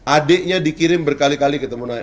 adiknya dikirim berkali kali ketemu nanya